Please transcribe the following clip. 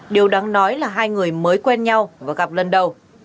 điều đáng nói là hai người mới quen nhau và gặp lần đầu